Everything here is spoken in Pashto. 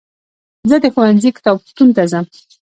زه د ښوونځي کتابتون ته ځم.